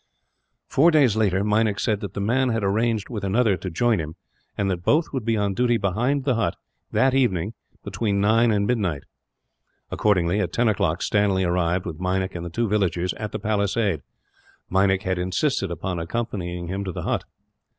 Four days later, Meinik said that the man had arranged with another to join him, and that both would be on duty behind the hut, that evening, between nine and midnight. Accordingly, at ten o'clock Stanley arrived, with Meinik and the two villagers, at the palisade. Meinik had insisted upon accompanying him to the hut.